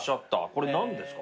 これ何ですか？